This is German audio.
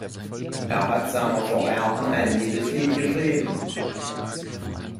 Er hat seiner Verehrten ein Liebeslied geschrieben.